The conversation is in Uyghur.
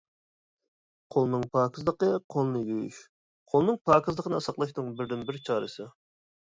قولنىڭ پاكىزلىقى قولنى يۇيۇش قولنىڭ پاكىزلىقىنى ساقلاشنىڭ بىردىنبىر چارىسى.